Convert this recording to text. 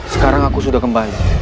sekarang aku sudah kembali